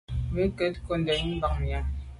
Bin ke nko ndèn banyàm.